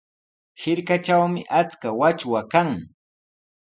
Hirkatrawmi achka wachwa kan.